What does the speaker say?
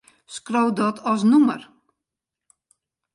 Skriuw dat as nûmer.